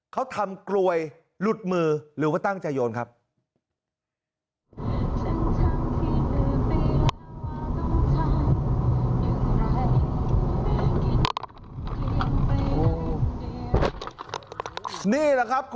เขาทำกลวยหลุดมือหรือว่าตั้งใจโยนครับ